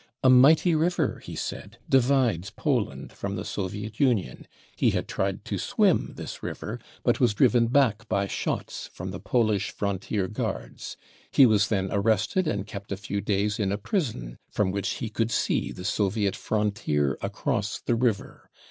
A mighty river, he said, divides Poland from the Soviet Union ; he Jhad tried to swim this river, but was driven back by shots from the Polish frontier guards ; he was then arrested and kept a jfew days in a prison from which he could see the Soviet frontier across the river.